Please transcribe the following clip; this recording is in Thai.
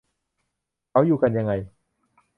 เขาอยู่กันยังไง ?